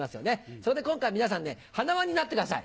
そこで今回皆さん花輪になってください。